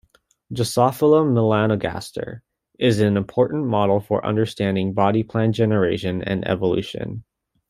"Drosophila melanogaster" is an important model for understanding body plan generation and evolution.